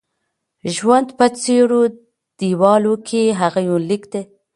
ژوند په څيرو دېوالو کې: هغه یونلیک دی